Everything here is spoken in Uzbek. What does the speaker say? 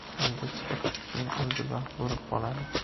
unga chiqib-tushishning oʻzi baxt boʻlib qoladi.